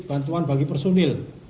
bantuan bagi personil